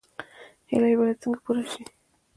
هیلې باید څنګه پوره شي؟